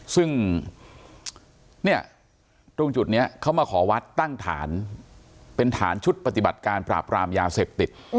ซึ่งเนี่ยตรงจุดนี้เขามาขอวัดตั้งฐานเป็นฐานชุดปฏิบัติการปราบรามยาเสพติด